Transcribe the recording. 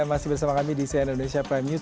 masih bersama kami di cnn indonesia prime news